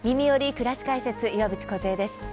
くらし解説」岩渕梢です。